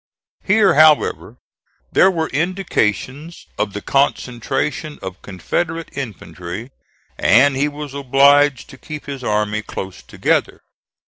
Here, however, there were indications of the concentration of Confederate infantry, and he was obliged to keep his army close together.